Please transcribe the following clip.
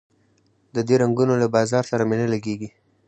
د دې رنګونو له بازار سره مي نه لګیږي